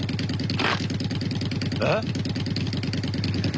えっ？